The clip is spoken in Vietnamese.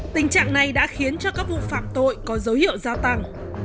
tình trạng này đã khiến cho các vụ phạm tội có dấu hiệu gia tăng